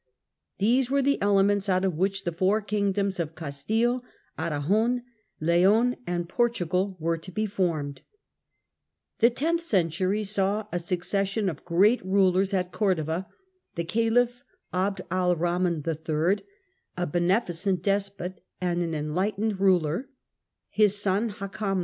These were the elements out of which the four kingdoms of Castile, Aragon, Leon, and Portugal were to be formed. The tenth century saw a succession of great rulers at Cordova, The Caliphs of the caliph Abd er Eahman III., a beneficent despot and cordova an enlightened ruler, his son Hakam II.